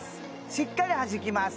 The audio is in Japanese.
しっかりはじきます